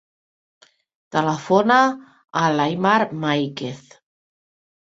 Telefona a l'Aimar Maiquez.